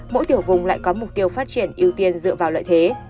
mỗi tiểu vùng lại có mục tiêu phát triển ưu tiên dựa vào lợi thế